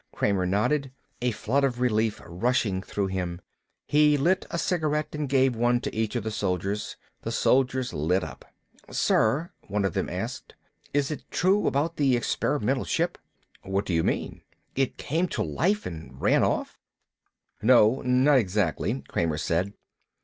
Kramer nodded, a flood of relief rushing through him. He lit a cigarette and gave one to each of the soldiers. The soldiers lit up. "Sir," one of them asked, "is it true about the experimental ship?" "What do you mean?" "It came to life and ran off?" "No, not exactly," Kramer said.